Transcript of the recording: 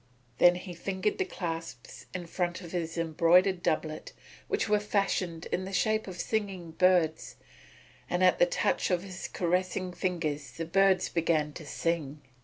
Then he fingered the clasps in front of his embroidered doublet which were fashioned in the shape of singing birds, and at the touch of his caressing fingers the birds began to sing.